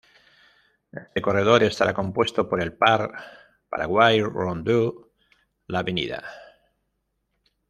Este corredor estará compuesto por el par Paraguay‑Rondeau, la Av.